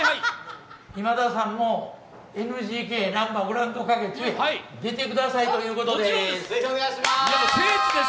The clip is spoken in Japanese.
今田さんも、ＮＧＫ、なんばグランド花月出てくださいということです。